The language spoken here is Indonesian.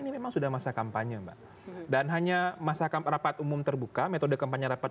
metode kampanye rapat umum terbuka